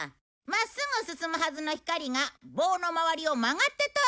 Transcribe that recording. まっすぐ進むはずの光が棒の周りを曲がって通るんだ。